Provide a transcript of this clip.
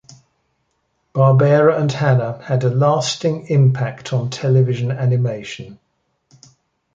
Barbera and Hanna had a lasting impact on television animation.